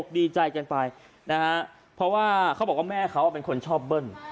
ดีใจกันไปนะฮะเพราะว่าเขาบอกว่าแม่เขาเป็นคนชอบเบิ้ล